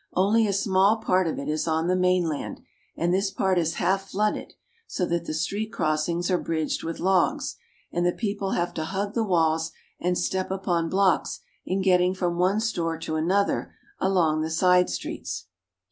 Only a small part of it is on the mainland, and this part is half flooded, so that the street crossings are bridged with logs, and the people have to hug the walls and step upon blocks in getting from one store to another along the side streets.